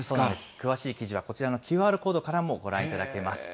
詳しい記事はこちらのＱＲコードからもご覧いただけます。